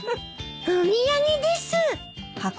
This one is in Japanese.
お土産です。